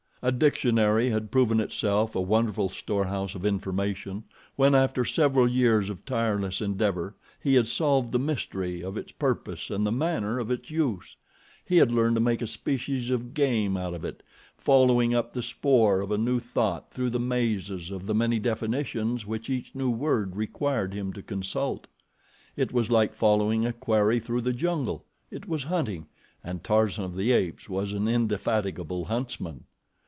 A dictionary had proven itself a wonderful storehouse of information, when, after several years of tireless endeavor, he had solved the mystery of its purpose and the manner of its use. He had learned to make a species of game out of it, following up the spoor of a new thought through the mazes of the many definitions which each new word required him to consult. It was like following a quarry through the jungle it was hunting, and Tarzan of the Apes was an indefatigable huntsman.